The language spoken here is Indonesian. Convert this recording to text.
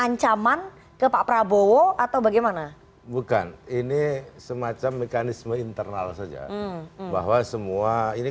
ancaman ke pak prabowo atau bagaimana bukan ini semacam mekanisme internal saja bahwa semua ini